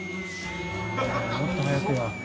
もっと早くや。